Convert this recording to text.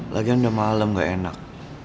lagi udah malem gak enak